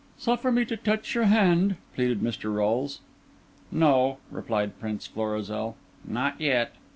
"Suffer me to touch your hand," pleaded Mr. Rolles. "No," replied Prince Florizel, "not yet."